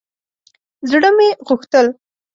زړه مې غوښتل